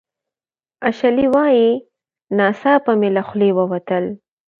اشلي وايي "ناڅاپه مې له خولې ووتل